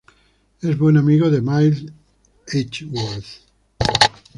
Es buen amigo de Miles Edgeworth.